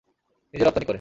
নিজে রপ্তানী করে।